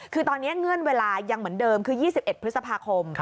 คือตอนนี้เงื่อนเวลายังเหมือนเดิมคือ๒๑พฤษภาคม